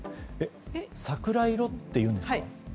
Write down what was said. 桜色っていうんですか？